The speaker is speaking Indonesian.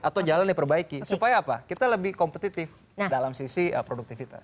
atau jalan diperbaiki supaya apa kita lebih kompetitif dalam sisi produktivitas